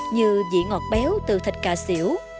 như dị ngọt béo từ thịt cà xỉu